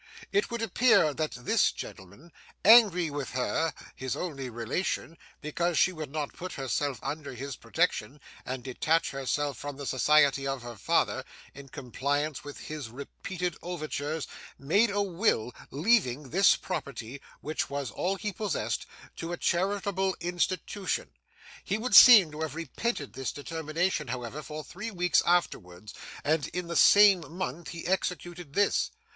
It would appear that this gentleman, angry with her (his only relation) because she would not put herself under his protection, and detach herself from the society of her father, in compliance with his repeated overtures, made a will leaving this property (which was all he possessed) to a charitable institution. He would seem to have repented this determination, however, for three weeks afterwards, and in the same month, he executed this.